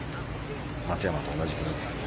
松山と同じ組。